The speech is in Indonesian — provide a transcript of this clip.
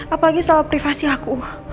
apalagi soal privasi aku